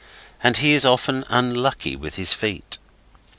And he is often unlucky with his feet.